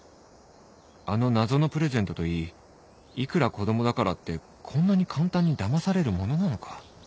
あの謎のプレゼントといいいくら子供だからってこんなに簡単にだまされるものなのか？